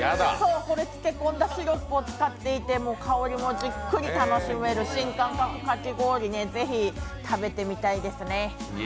漬け込んだシロップを使っていて香りもじっくり楽しめる新感覚かき氷でぜひ食べてみたいですね。